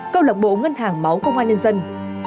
câu lạc bộ ngân hàng máu công an nhân dân